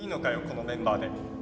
このメンバーで。